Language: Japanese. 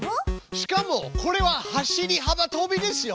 しかもこれは走りはばとびですよ。